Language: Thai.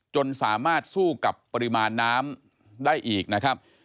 จนสามารถสู้กับปริมาณน้ำได้อีกนะครับ